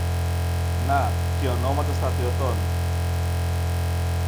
να και ονόματα στρατιωτών.